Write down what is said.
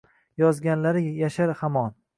Yozganlari yashar hamon